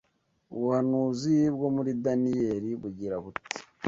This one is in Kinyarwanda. Ubuhanuzi bwo muri Daniyeli bugira buti: